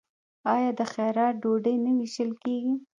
آیا د خیرات ډوډۍ نه ویشل کیږي؟